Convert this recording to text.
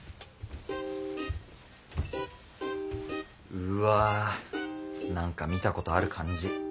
うわ何か見たことある感じ。